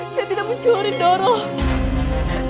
saya tidak mencuri dorong